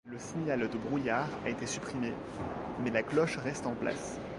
Le signal de brouillard a été supprimé, mais la cloche reste en place.